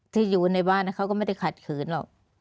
ที่อยู่ในบ้านเขาก็ไม่ได้ขัดขืนหรอก